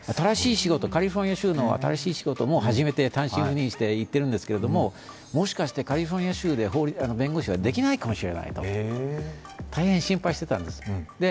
カリフォルニア州の新しい仕事をもう始めて単身赴任して行っているんですけれども、もしかしてカリフォルニア州で弁護士はできないかもしれないと大変心配していたんです。